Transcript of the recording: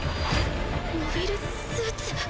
モビルスーツ？